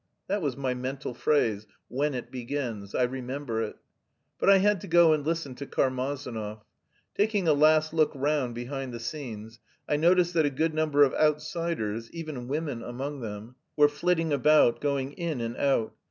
_" That was my mental phrase, "when it begins"; I remember it. But I had to go and listen to Karmazinov. Taking a last look round behind the scenes, I noticed that a good number of outsiders, even women among them, were flitting about, going in and out.